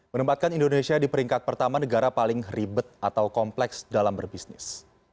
menempatkan indonesia di peringkat pertama negara paling ribet atau kompleks dalam berbisnis